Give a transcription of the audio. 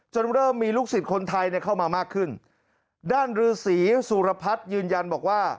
เริ่มมีลูกศิษย์คนไทยเนี่ยเข้ามามากขึ้นด้านรือศรีสุรพัฒน์ยืนยันบอกว่า